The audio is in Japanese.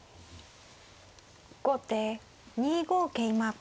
後手２五桂馬。